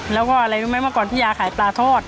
แล้วก็อะไรรู้ไหมเมื่อก่อนพี่ยาขายปลาทอด